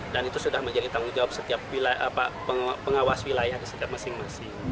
dan itu sudah menjadi tanggung jawab setiap pengawas wilayah di setiap masing masing